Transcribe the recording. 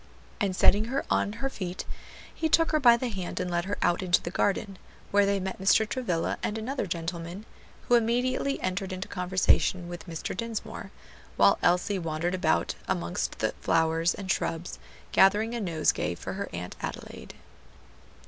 And setting her on her feet, he took her by the hand and led her out into the garden, where they met Mr. Travilla and another gentleman, who immediately entered into conversation with Mr. Dinsmore, while Elsie wandered about amongst the flowers and shrubs, gathering a nosegay for her Aunt Adelaide.